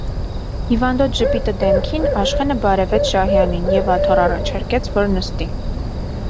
Հիվանդոտ ժպիտը դեմքին, Աշխենը բարևեց Շահյանին և աթոռ առաջարկեց, որ նստի: